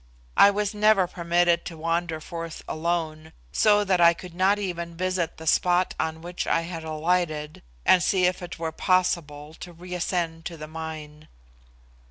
I was never permitted to wander forth alone, so that I could not even visit the spot on which I had alighted, and see if it were possible to reascend to the mine.